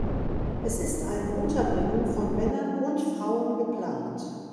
Es ist eine Unterbringung von Männern und Frauen geplant.